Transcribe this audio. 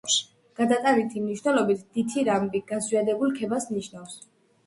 გადატანითი მნიშვნელობით დითირამბი გაზვიადებულ ქებას ნიშნავს.